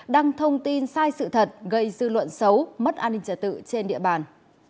đăng thông tin sai sự thật gây dư luận xấu mất an ninh trả tự trên địa bàn